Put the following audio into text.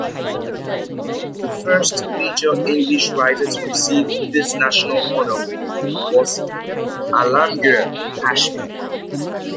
The first major English writer to receive this national honour was Alamgir Hashmi.